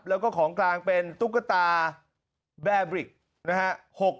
แล้วก็ของกลางเป็นตุ๊กตาแบร์บริกนะฮะ